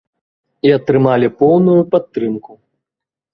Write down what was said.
І атрымалі поўную падтрымку.